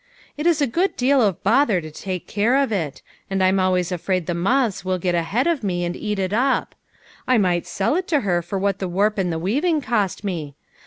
It is a good deal of bother to take care of it, and I'm always afraid the moths will get ahead of me, and eat it up. I might sell it to her for what the warp and the weaving cost me.